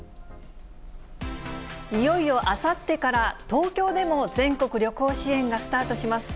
いよいよあさってから、東京でも全国旅行支援がスタートします。